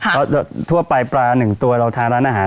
เพราะทั่วไปปลาหนึ่งตัวเราทานร้านอาหาร